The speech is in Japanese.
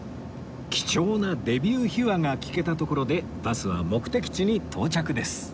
貴重なデビュー秘話が聞けたところでバスは目的地に到着です